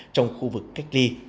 trong khu vực cách ly